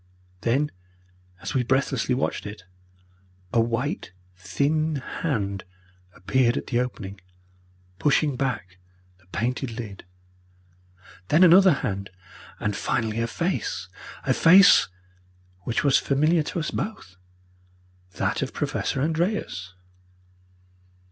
Then, as we breathlessly watched it, a white thin hand appeared at the opening, pushing back the painted lid, then another hand, and finally a face a face which was familiar to us both, that of Professor Andreas.